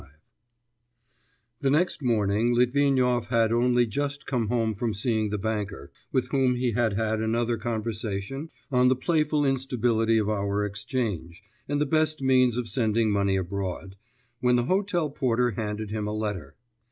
XXV The next morning Litvinov had only just come home from seeing the banker, with whom he had had another conversation on the playful instability of our exchange, and the best means of sending money abroad, when the hotel porter handed him a letter.